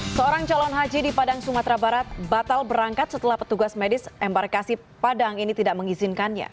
seorang calon haji di padang sumatera barat batal berangkat setelah petugas medis embarkasi padang ini tidak mengizinkannya